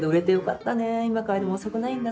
今からでも遅くないんだ。